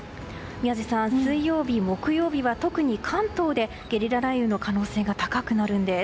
宮司さん、水曜日、木曜日は特に関東でゲリラ雷雨の可能性が高くなるんです。